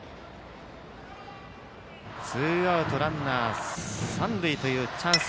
ツーアウトランナー、三塁というチャンス